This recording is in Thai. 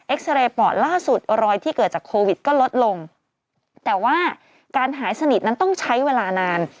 ซาเรย์ปอดล่าสุดรอยที่เกิดจากโควิดก็ลดลงแต่ว่าการหายสนิทนั้นต้องใช้เวลานาน